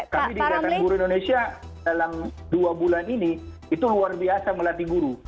kami di ikatan guru indonesia dalam dua bulan ini itu luar biasa melatih guru